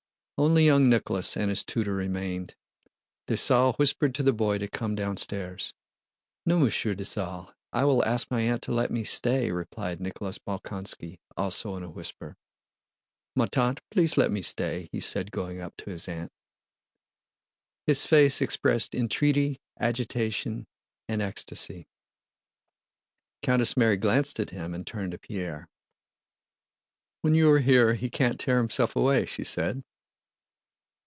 Only young Nicholas and his tutor remained. Dessalles whispered to the boy to come downstairs. "No, Monsieur Dessalles, I will ask my aunt to let me stay," replied Nicholas Bolkónski also in a whisper. "Ma tante, please let me stay," said he, going up to his aunt. His face expressed entreaty, agitation, and ecstasy. Countess Mary glanced at him and turned to Pierre. "When you are here he can't tear himself away," she said.